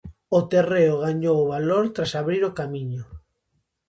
O terreo gañou valor tras abrir o camiño.